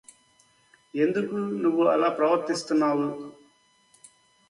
ఎందుకు నువ్వు అలా ప్రవర్తిస్తున్నావు?